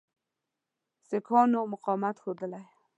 سیکهانو مقاومت ښودلی.